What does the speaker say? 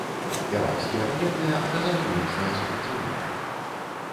Іракскія ваенныя аказалі моцнае супраціўленне.